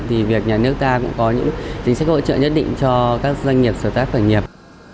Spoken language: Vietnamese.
thì việc nhà nước ta cũng có những chính sách hỗ trợ nhất định cho các doanh nghiệp sáng tác khởi nghiệp